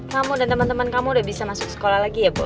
kamu dan temen temen kamu udah bisa masuk sekolah lagi ya boy